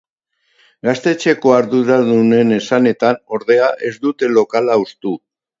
Gaztetxeko arduradunen esanetan, ordea, ez dute lokala hustu.